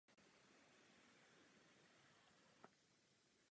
Literatura našla živnou půdu při zkoumání přirozeného strachu z pohřbení zaživa.